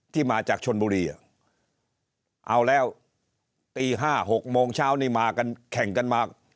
ที่มาจากชนบุรีเอาแล้วตี๕๖โมงเช้านี้มากันแข่งกันมา